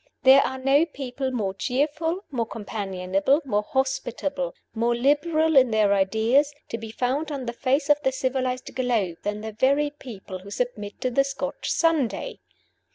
There are no people more cheerful, more companionable, more hospitable, more liberal in their ideas, to be found on the face of the civilized globe than the very people who submit to the Scotch Sunday!